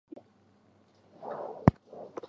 索梅尔卡尔是德国巴伐利亚州的一个市镇。